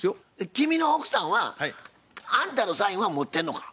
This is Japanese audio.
君の奥さんはあんたのサインは持ってんのか？